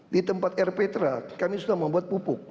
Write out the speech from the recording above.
di tempat air petra kami sudah membuat pupuk